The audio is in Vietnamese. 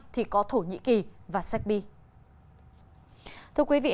thì có thổ nhĩ kỳ và sacbi